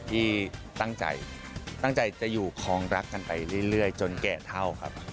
ที่ตั้งใจตั้งใจจะอยู่คลองรักกันไปเรื่อยจนแก่เท่าครับ